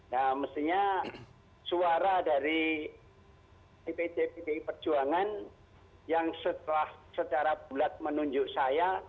nah mestinya suara dari dpc pdi perjuangan yang setelah secara bulat menunjuk saya